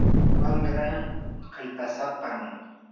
wamraa kallpasapam.